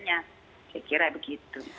saya kira begitu